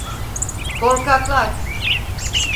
Korkaklar!